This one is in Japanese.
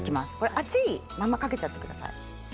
熱いままかけちゃってください。